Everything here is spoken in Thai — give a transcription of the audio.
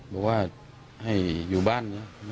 บอกว่าให้อยู่บ้านนะ